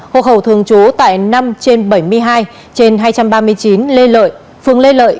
hộ khẩu thường trú tại năm trên bảy mươi hai trên hai trăm ba mươi chín lê lợi phường lê lợi